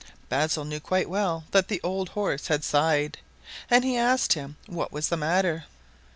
Basil knew quite well that the old horse had sighed, and he asked him what was the matter.